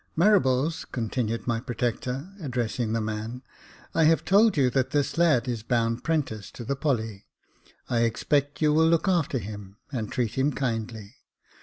"Marables," continued my protector, addressing the man, " I have told you that this lad is bound 'prentice to the Polly ; I expect you will look after him, and treat him kindly.